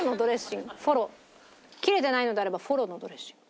切れてないのであればフォロのドレッシング。